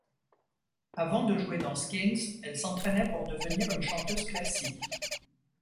Avant de jouer dans Skins elle s'entraînait pour devenir une chanteuse classique.